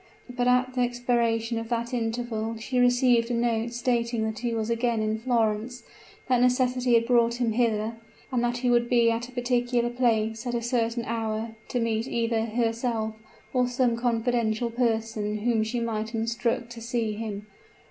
But at the expiration of that interval she received a note stating that he was again in Florence that necessity had alone brought him hither, and that he would be at a particular place at a certain hour to meet either herself or some confidential person whom she might instruct to see him.